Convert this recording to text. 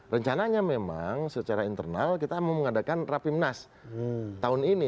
rencananya memang secara internal kita mau mengadakan rapimnas tahun ini